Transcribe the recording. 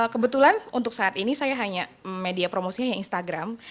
kebetulan untuk saat ini saya hanya media promosinya yang instagram